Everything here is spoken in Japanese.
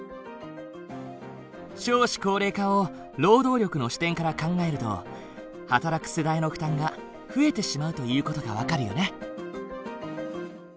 少子高齢化を労働力の視点から考えると働く世代の負担が増えてしまうという事が分かるよね。